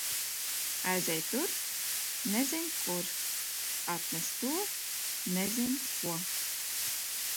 Aizej tur - nezin kur, atnes to - nezin ko.